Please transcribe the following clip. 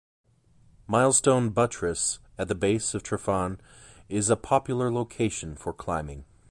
Milestone Buttress at the base of Tryfan is a popular location for climbing.